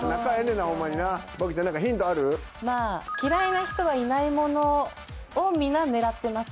まぁ嫌いな人はいないものを皆狙ってます。